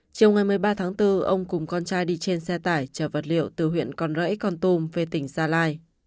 chiều ngày một mươi ba tháng bốn ông cùng con trai đi trên xe tải chở vật liệu từ huyện con rẫy con tum về tỉnh gia lai